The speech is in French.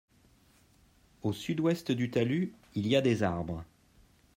Au sud-ouest du talus il y a des arbres.